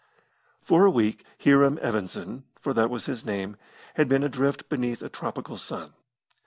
For a week Hiram Evanson, for that was his name, had been adrift beneath a tropical sun.